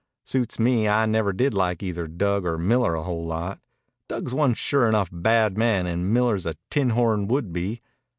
Suits me. I never did like either Dug or Miller a whole lot. Dug's one sure enough bad man and Miller's a tinhorn would be.